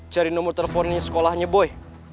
cari nomor teleponnya sekolahnya boy